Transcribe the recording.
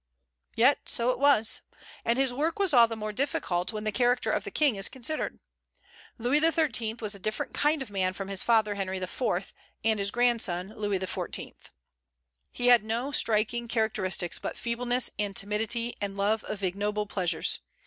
Yet so it was; and his work was all the more difficult when the character of the King is considered. Louis XIII. was a different kind of man from his father Henry IV. and his grandson Louis XIV. He had no striking characteristics but feebleness and timidity and love of ignoble pleasures.